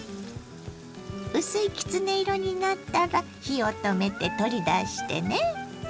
薄いきつね色になったら火を止めて取り出してね。